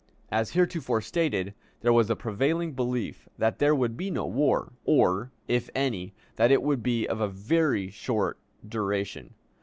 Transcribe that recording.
As heretofore stated, there was a prevailing belief that there would be no war, or, if any, that it would be of very short duration.